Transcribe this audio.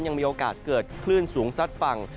ยังมีโอกาสเกิดคลื่นสูงซัดฝั่ง